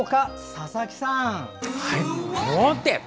佐々木さん！